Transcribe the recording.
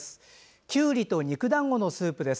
きゅうりと肉だんごのスープです。